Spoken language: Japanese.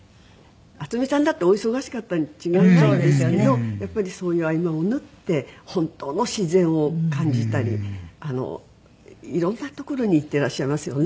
渥美さんだってお忙しかったに違いないんですけどやっぱりそういう合間を縫って本当の自然を感じたりいろんな所に行ってらっしゃいますよね。